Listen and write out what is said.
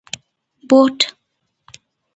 👞 بوټ